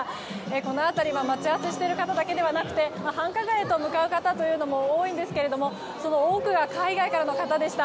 この辺り待ち合わせしている方だけでなく繁華街に向かう方も多いんですけれどもその多くが海外からの方でした。